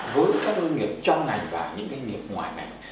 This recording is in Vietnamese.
với các doanh nghiệp trong ngành và những doanh nghiệp ngoài ngành